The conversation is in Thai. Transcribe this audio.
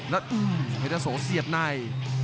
แล้วจ้ามให้ธะโสเสียบใน